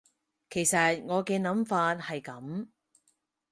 其實我嘅諗法係噉